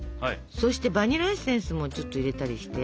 そしてバニラエッセンスもちょっと入れたりして。